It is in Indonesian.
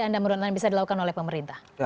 anda menurut anda bisa dilakukan oleh pemerintah